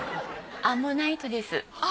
アンモナイトです。